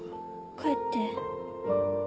帰って。